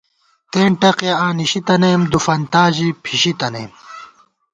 تېن ٹقےآں نِشِی تَنَئیم ، دُوفنتا ژی پھِشِی تَنَئیم